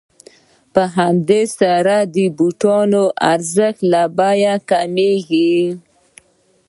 په همدې سره د بوټانو ارزښت له بیې کمېږي